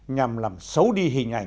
nhằm làm xấu đi hình ảnh